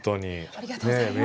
ありがとうございます。